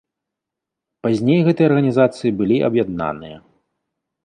Пазней гэтыя арганізацыі былі аб'яднаныя.